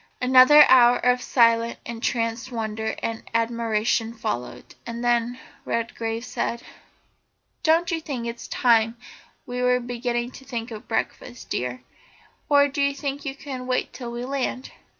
Another hour of silent, entranced wonder and admiration followed, and then Redgrave said: "Don't you think it's about time we were beginning to think of breakfast, dear or do you think you can wait till we land?"